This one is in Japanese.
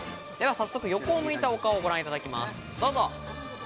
早速、横を向いたお顔をご覧いただきます。